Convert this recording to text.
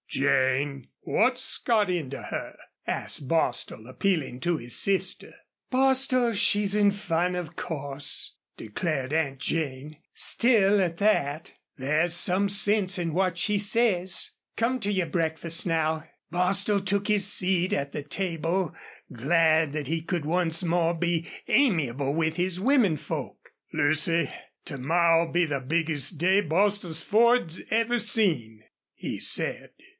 "Jane, what's got into her?" asked Bostil, appealing to his sister. "Bostil, she's in fun, of course," declared Aunt Jane. "Still, at that, there's some sense in what she says. Come to your breakfast, now." Bostil took his seat at the table, glad that he could once more be amiable with his women folk. "Lucy, to morrow'll be the biggest day Bostil's Ford ever seen," he said.